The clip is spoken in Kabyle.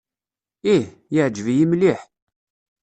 Ih, yeɛjeb-iyi mliḥ.